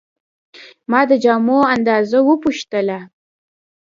ما د جامو اندازه وپوښتله.